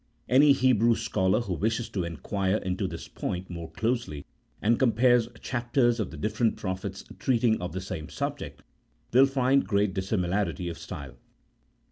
Any Hebrew scholar who wishes to inquire into this point more closely, and compares chapters of the different prophets treating of the same subject, will find great dissimilarity of style.